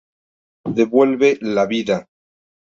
Devuelve la vida.